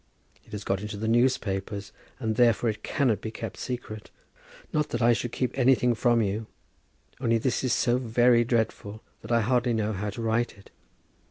It has got into the newspapers, and therefore it cannot be kept secret. Not that I should keep anything from you; only this is so very dreadful that I hardly know how to write it.